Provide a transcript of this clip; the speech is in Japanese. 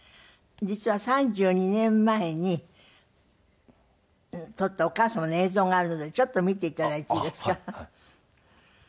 実は３２年前に撮ったお母様の映像があるのでちょっと見ていただいていいですか？